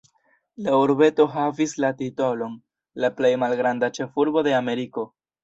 La urbeto havis la titolon "la plej malgranda ĉefurbo de Ameriko".